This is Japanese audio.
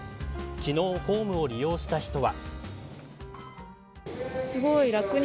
昨日、ホームを利用した人は。